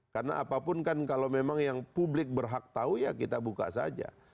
karena apapun kan kalau memang yang publik berhak tahu ya kita buka saja